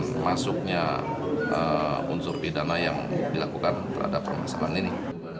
termasuknya unsur pidana yang dilakukan terhadap permasalahan ini